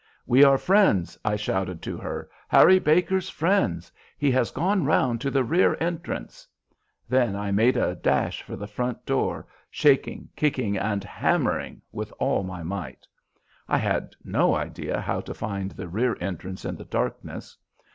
"We are friends," I shouted to her, "Harry Baker's friends. He has gone round to the rear entrance." Then I made a dash for the front door, shaking, kicking, and hammering with all my might. I had no idea how to find the rear entrance in the darkness.